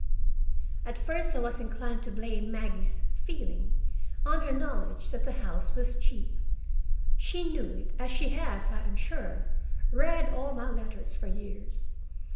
At first I was inclined to blame Maggie's "feeling" on her knowledge that the house was cheap. She knew it, as she has, I am sure, read all my letters for years.